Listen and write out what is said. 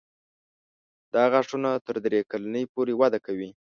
دا غاښونه تر درې کلنۍ پورې وده کوي.